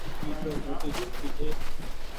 اي تو موٽي جهرڪي ڇي۔